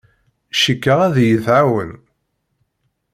Cikkeɣ ad iyi-tɛawen.